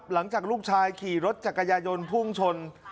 หลังจากลูกชายขี่รถจักรยายนพุ่งชน